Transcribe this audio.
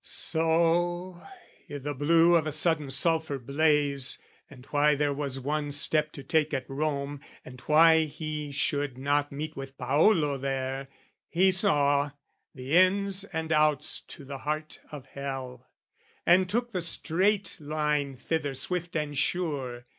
So, i' the blue of a sudden sulphur blaze, And why there was one step to take at Rome, And why he should not meet with Paolo there, He saw the ins and outs to the heart of hell And took the straight line thither swift and sure.